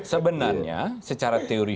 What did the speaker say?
sebenarnya secara teori